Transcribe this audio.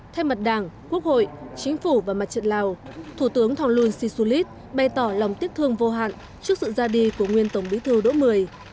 thay mặt đảng quốc hội chính phủ và mặt trận lào thủ tướng thông luân xì xu lít bày tỏ lòng tiếc thương vô hạn trước sự ra đi của nguyên tổng bí thư đỗ một mươi